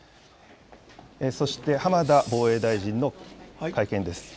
そして、浜田防衛大臣の会見です。